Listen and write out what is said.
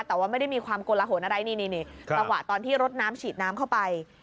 แต่ว่าไม่ได้มีความกลหนอะไรนี่จังหวะตอนที่รถน้ำฉีดน้ำเข้าไป